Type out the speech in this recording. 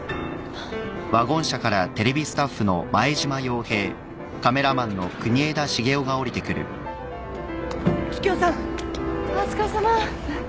あっお疲れさま。